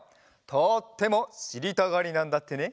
とってもしりたがりなんだってね。